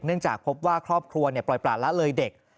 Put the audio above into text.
เนื่องจากพบว่าครอบครัวปล่อยประหละเลยเด็ก